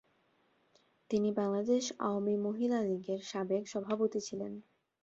তিনি বাংলাদেশ আওয়ামী মহিলা লীগের সাবেক সভাপতি ছিলেন।